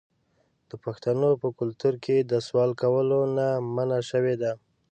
د پښتنو په کلتور کې د سوال کولو نه منع شوې ده.